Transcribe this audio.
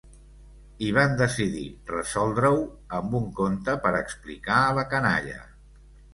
I van decidir resoldre-ho amb un conte per explicar a la canalla.